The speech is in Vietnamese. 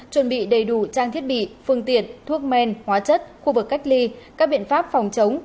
chuẩn bị đầy đủ trang thiết bị phương tiện thuốc men hóa chất khu vực cách ly các biện pháp phòng chống